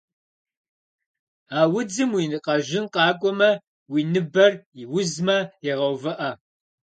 А удзым уи къэжьын къакӏуэмэ, уи ныбэр узмэ, егъэувыӏэ.